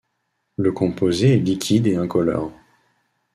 Le composé est liquide et incolore.